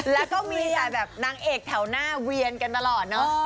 แล้วก็มีแต่แบบนางเอกแถวหน้าเวียนกันตลอดเนอะ